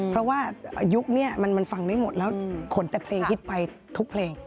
เพราะว่ายุคนี้มันฟังไม่หมดแล้วขนแต่เพลงฮิตไปทุกเพลง